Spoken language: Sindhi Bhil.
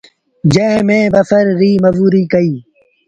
جݩهݩ ميݩ بسر ريٚ مزوريٚ ڪئيٚ۔